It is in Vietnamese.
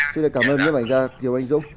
xin được cảm ơn nhóm ảnh gia kiều ánh dũng